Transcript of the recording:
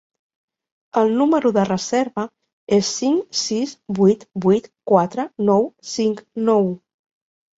El número de reserva és cinc sis vuit vuit quatre nou cinc nou.